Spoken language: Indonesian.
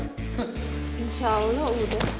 insya allah udah